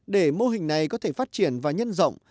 để mô hình này có thể phát triển và nhân rộng